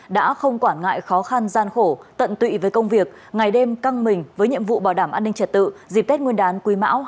đã không quản ngại khó khăn gian khổ tận tụy với công việc ngày đêm căng mình với nhiệm vụ bảo đảm an ninh trật tự dịp tết nguyên đán quý mão hai nghìn hai mươi